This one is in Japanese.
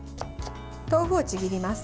豆腐をちぎります。